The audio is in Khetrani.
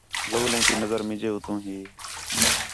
لَولیں تی نظر مینجے اُتّوں ہی